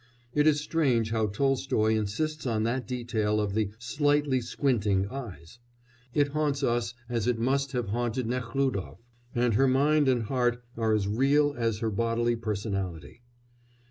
It is strange how Tolstoy insists on that detail of the "slightly squinting" eyes; it haunts us as it must have haunted Nekhlúdof. And her mind and heart are as real as her bodily personality.